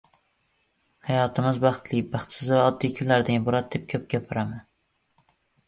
Hayotimiz baxtli, baxtsiz va oddiy kunlardan iborat deb koʻp gapiraman.